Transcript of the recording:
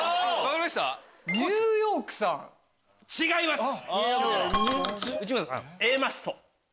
違います。